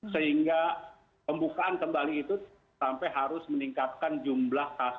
sehingga pembukaan kembali itu sampai harus meningkatkan jumlah kasus covid sembilan belas